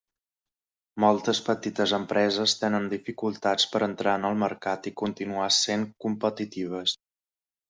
Moltes petites empreses tenen dificultats per entrar en el mercat i continuar sent competitives.